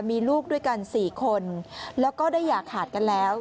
มีลูกด้วยกัน๔คนแล้วก็ได้อย่าขาดกันแล้ว